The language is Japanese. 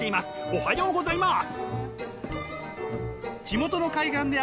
おはようございます！